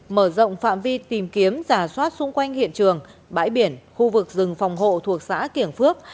mở rộng phạm vi tìm kiếm giả soát xung quanh hiện trường bãi biển khu vực rừng phòng hộ thuộc xã kiểng phước